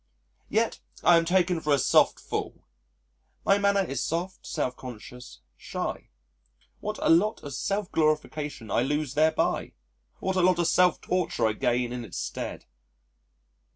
] Yet I am taken for a soft fool! My manner is soft, self conscious, shy. What a lot of self glorification I lose thereby! What a lot of self torture I gain in its stead!